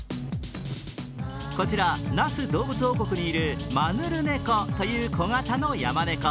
こちら、那須どうぶつ王国にいるマヌルネコという小型のヤマネコ。